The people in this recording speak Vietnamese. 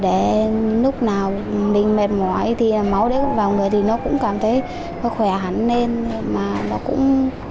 để lúc nào mình mệt mỏi thì máu đấy vào người thì nó cũng cảm thấy nó khỏe hẳn nên mà nó cũng